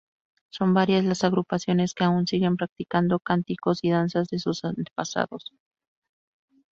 Son varias las agrupaciones que aún siguen practicando cánticos y danzas de sus antepasados.